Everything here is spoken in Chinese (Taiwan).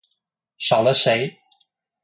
少了誰